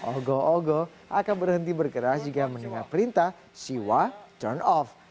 ogo ogo akan berhenti bergerak jika mendengar perintah siwa turn off